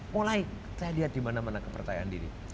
mulai kita lihat dimana mana kepercayaan diri